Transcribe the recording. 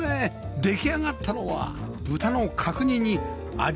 出来上がったのは豚の角煮に味付け卵